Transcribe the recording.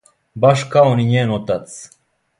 Баш као ни њен отац.